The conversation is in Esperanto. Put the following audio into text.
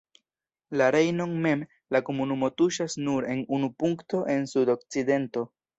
La Rejnon mem, la komunumo tuŝas nur en unu punkto en sudokcidento.